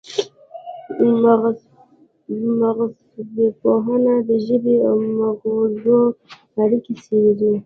مغزژبپوهنه د ژبې او مغزو اړیکې څیړي